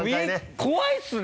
怖いですね！